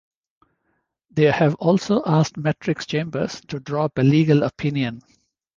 They have also asked Matrix Chambers to draw up a legal opinion.